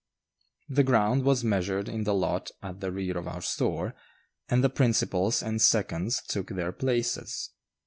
The ground was measured in the lot at the rear of our store, and the principals and seconds took their places.